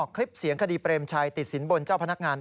คลิปเสียงคดีเปรมชัยติดสินบนเจ้าพนักงาน